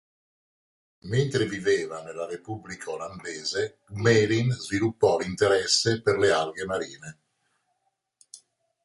Mentre viveva nella Repubblica olandese, Gmelin sviluppò l'interesse per le alghe marine.